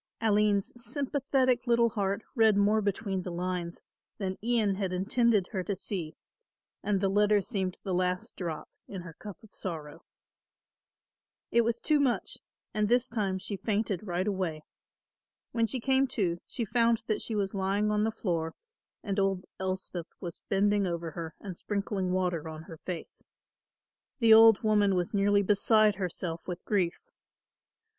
Aline's sympathetic little heart read more between the lines than Ian had intended her to see and the letter seemed the last drop in her cup of sorrow. It was too much and this time she fainted right away. When she came to, she found that she was lying on the floor and old Elspeth was bending over her and sprinkling water on her face. The old woman was nearly beside herself with grief.